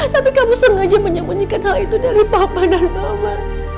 tapi kamu sengaja menyembunyikan hal itu dari papa dan mama